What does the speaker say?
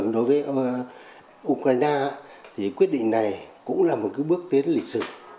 đối với ukraine thì quyết định này cũng là một bước tiến lịch sử